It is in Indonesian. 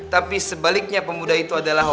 tapi sebaliknya pemuda itu adalah